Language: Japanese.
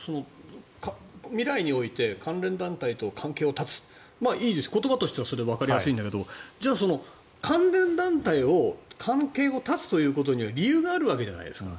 未来において関連団体と関係を断ついいです、言葉としてはわかりやすいんだけど関連団体と関係を断つには理由があるわけじゃないですか。